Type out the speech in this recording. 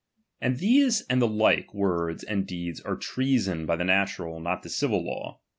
And these and the like words and deeds are treason by the natural, not the civil law.